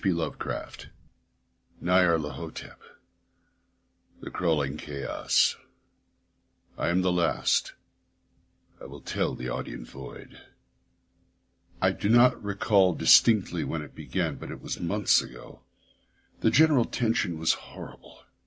P. Lovecraft Nyarlathotep ... the crawling chaos ... I am the last ... I will tell the audient void. ... I do not recall distinctly when it began, but it was months ago. The general tension was horrible.